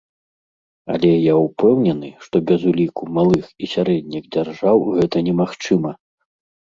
Але я ўпэўнены, што без уліку малых і сярэдніх дзяржаў гэта немагчыма.